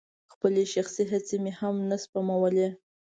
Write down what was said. خپلې شخصي هڅې مې هم نه سپمولې.